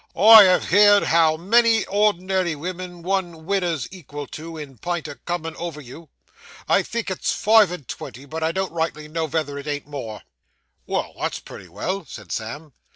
I have heerd how many ordinary women one widder's equal to in pint o' comin' over you. I think it's five and twenty, but I don't rightly know vether it ain't more.' 'Well; that's pretty well,' said Sam.